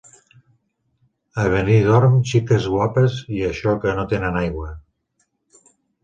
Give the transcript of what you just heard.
A Benidorm xiques guapes, i això que no tenen aigua.